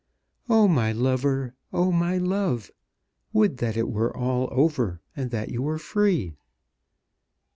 Oh, my lover! oh, my love! would that it were all over, and that you were free!"